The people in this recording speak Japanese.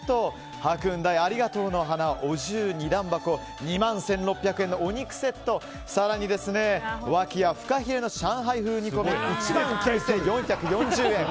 白雲台ありがとうの花お重２段箱２万１６００円のお肉セット更にＷａｋｉｙａフカヒレの上海風煮込み１万９４４０円。